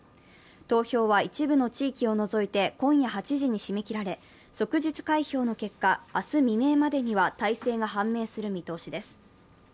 投票は一部の地域を除いて今夜８時に締め切られ、即日開票の結果、明日未明までには大勢が判明する見通しです。